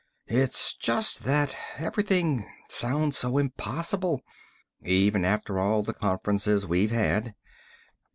It's just that everything sounds so impossible. Even after all the conferences we've had."